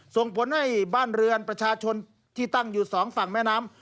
ส่งผลให้บ้านเรือนประชาชนที่ตั้งอยู่สองฝั่งแม่น้ำ